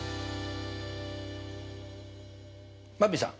ばんびさん。